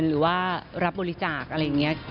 ื่ออ้าน